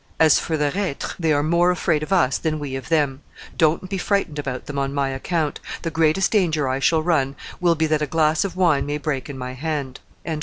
As for the reitres, they are more afraid of us than we of them; don't be frightened about them on my account; the greatest danger I shall run will be that a glass of wine may break in my hand."